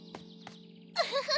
ウフフフ。